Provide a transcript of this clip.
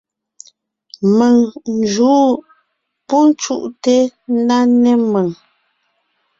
Mèŋ n jǔʼ. Pú cúʼte ńná né mèŋ.